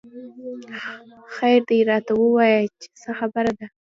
خېر دۍ راته وويه چې څه خبره ده